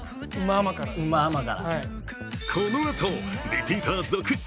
このあと、リピーター続出！